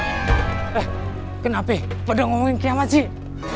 eh kenapa pada ngomongin kiamat sih